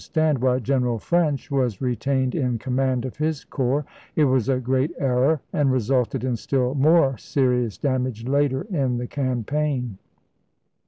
stand why General French was retained in command of his corps ; it was a great error, and resulted in still more serious damage later in the campaign.